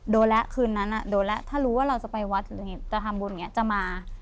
โดและคืนนั้นอะโดและถ้ารู้ว่าเราจะไปวัดจะทำบุญอย่างนี้จะมา